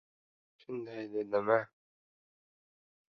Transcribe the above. — Shunday dedimi?